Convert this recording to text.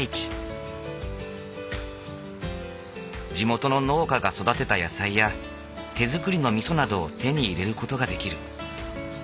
地元の農家が育てた野菜や手づくりのみそなどを手に入れる事ができる。